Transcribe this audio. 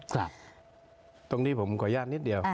ครับตรงนี้ผมขออนุญาตนิดเดียว